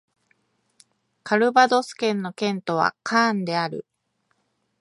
カルヴァドス県の県都はカーンである